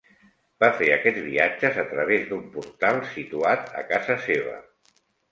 Va fer aquests viatges a través d'un portal situat a casa seva.